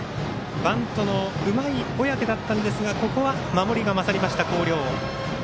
バントのうまい小宅だったんですが守りが勝りました、広陵。